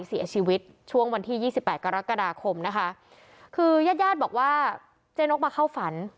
เสียชีวิตช่วงวันที่๒๘กรกฎาคมนะคะคือยาดบอกว่าเจ๊นกมาเข้าฝัน